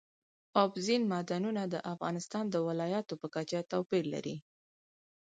اوبزین معدنونه د افغانستان د ولایاتو په کچه توپیر لري.